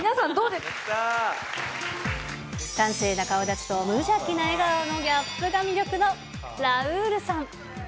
端正な顔立ちと無邪気な笑顔のギャップが魅力のラウールさん。